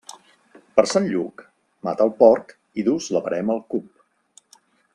Per Sant Lluc, mata el porc i dus la verema al cup.